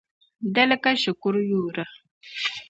Dali ka shikuru yoora.